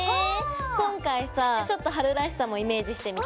今回さちょっと春らしさもイメージしてみた。